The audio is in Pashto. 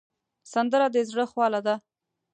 سندره د زړه خواله ده